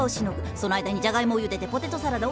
その間にジャガイモをゆでてポテトサラダを用意。